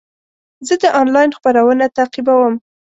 زه د انلاین خپرونه تعقیبوم.